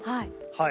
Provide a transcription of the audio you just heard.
はい。